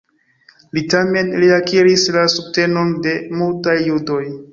Li tamen reakiris la subtenon de multaj judoj.